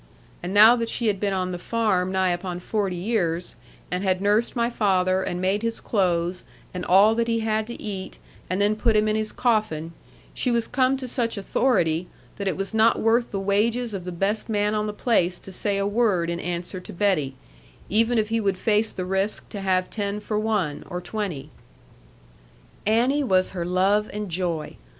And now that she had been on the farm nigh upon forty years, and had nursed my father, and made his clothes, and all that he had to eat, and then put him in his coffin, she was come to such authority, that it was not worth the wages of the best man on the place to say a word in answer to Betty, even if he would face the risk to have ten for one, or twenty. Annie was her love and joy.